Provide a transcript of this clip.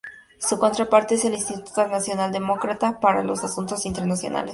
Su contraparte es el Instituto Nacional Demócrata para los Asuntos Internacionales.